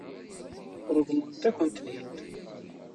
Ṛeḍlent-akent-ten-id?